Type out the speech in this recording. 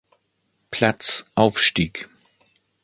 Platz aufstieg.